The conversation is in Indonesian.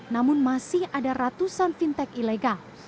namun masih ada ratusan fintech ilegal